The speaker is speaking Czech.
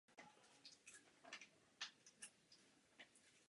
Spolupracoval s odbojem.